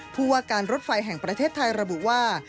ผู้ว่าการรถไฟแห่งประเทศไทยระบุว่า